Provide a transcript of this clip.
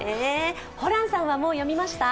ホランさんは、もう読みました？